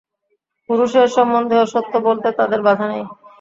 পুরুষের সম্বন্ধেও সত্য বলতে তাদের বাধা নেই।